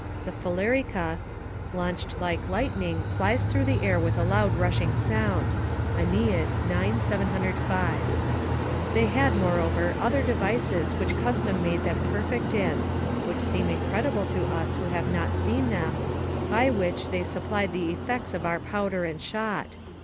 ["The Phalarica, launched like lightning, flies through the air with a loud rushing sound." AEneid, ix. 705.] They had, moreover, other devices which custom made them perfect in (which seem incredible to us who have not seen them), by which they supplied the effects of our powder and shot.